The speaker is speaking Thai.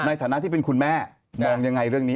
ในฐานะที่เป็นคุณแม่มองยังไงเรื่องนี้